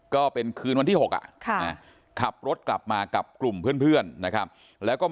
ก็เป็นคืนวันที่๖ขับรถกลับมากับกลุ่มเพื่อนนะครับแล้วก็